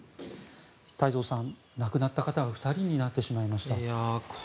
太蔵さん、亡くなった方が２人になってしまいました。